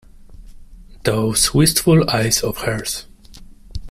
Those wistful eyes of hers!